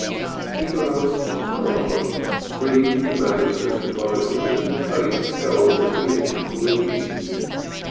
He grows calmer, reads the manuscript poems, and his face tells that he is pleased.